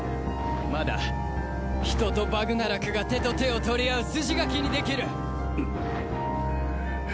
まだ人とバグナラクが手と手を取り合う筋書きにできる。